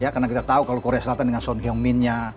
karena kita tahu kalau korea selatan dengan son heung min